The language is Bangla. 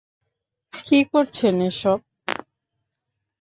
কী করছেন এসব?